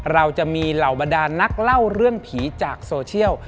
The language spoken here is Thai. เราจะมีเหล่าบรรดานนักเล่าเรื่องผีจากโซเชียล